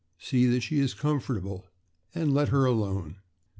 See that she is comfortable, and let her alone.